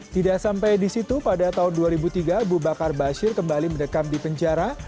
tidak sampai di situ pada tahun dua ribu tiga abu bakar bashir kembali mendekam di penjara